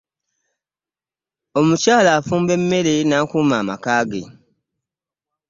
Omukyala afumba emmere n'akuuma amaka ge.